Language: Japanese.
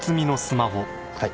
はい。